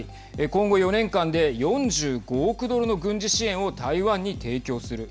今後４年間で４５億ドルの軍事支援を台湾に提供する。